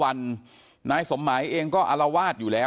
พันให้หมดตั้ง๓คนเลยพันให้หมดตั้ง๓คนเลย